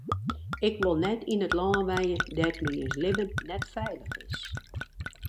Ik wol net yn in lân wenje dêr't men jins libben net feilich is.